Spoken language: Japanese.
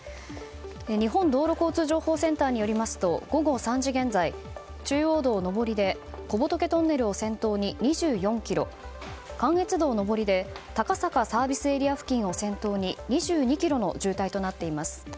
日本道路交通情報センターによりますと午後３時現在、中央道上りで小仏トンネルを先頭に２４ｋｍ関越道上りで高坂ＳＡを先頭に２２ｋｍの渋滞となっています。